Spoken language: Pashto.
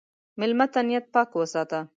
مېلمه ته نیت پاک وساته.